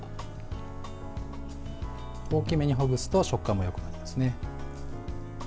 大きめにほぐすと食感がよくなりますね。